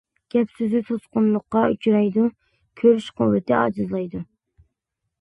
گەپ-سۆزى توسقۇنلۇققا ئۇچرايدۇ، كۆرۈش قۇۋۋىتى ئاجىزلايدۇ.